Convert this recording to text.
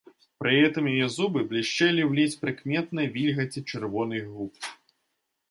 Пры гэтым яе зубы блішчэлі ў ледзь прыкметнай вільгаці чырвоных губ.